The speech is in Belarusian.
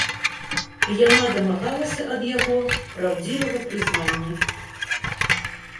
Яна дамагалася ад яго праўдзівага прызнання.